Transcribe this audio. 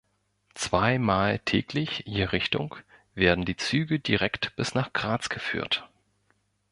Zweimal täglich je Richtung werden die Züge direkt bis nach Graz geführt.